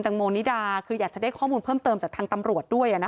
งโมนิดาคืออยากจะได้ข้อมูลเพิ่มเติมจากทางตำรวจด้วย